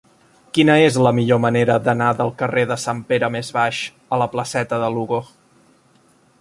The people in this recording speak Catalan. Quina és la millor manera d'anar del carrer de Sant Pere Més Baix a la placeta de Lugo?